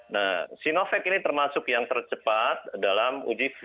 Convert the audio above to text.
nah sinovac ini termasuk yang tercepat dalam uji klinik fase tiga